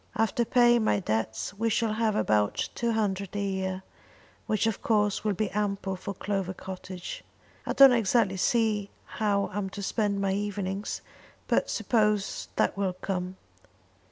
After paying my debts we shall have about two hundred a year, which of course will be ample for Clover Cottage. I don't exactly see how I'm to spend my evenings, but I suppose that will come.